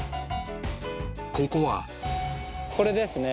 ［ここは］これですね。